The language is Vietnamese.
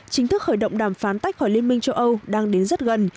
chính thức khởi động đàm phán tách khỏi liên minh châu âu đang đến rất gần